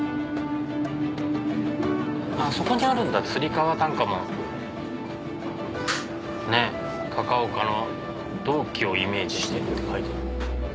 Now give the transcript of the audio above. そこにあるんだつり革なんかも高岡の銅器をイメージしてって書いてある。